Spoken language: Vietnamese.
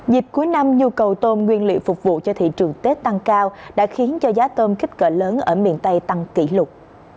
dịp cuối năm nhu cầu tôm nguyên liệu phục vụ cho thị trường tết tăng cao đã khiến cho giá tôm kích cỡ lớn ở miền tây tăng kỷ lục